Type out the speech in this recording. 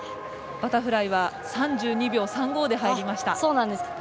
バタフライは３２秒３５で入りました。